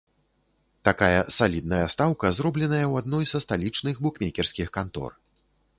Такая салідная стаўка зробленая ў адной са сталічных букмекерскіх кантор.